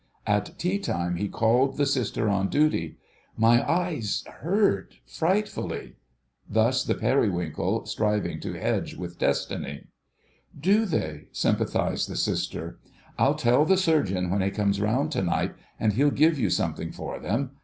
At tea time he called the Sister on duty— "My eyes—hurt ... frightfully." Thus the Periwinkle, striving to hedge with Destiny. "Do they?" sympathised the Sister. "I'll tell the Surgeon when he comes round to night, and he'll give you something for them.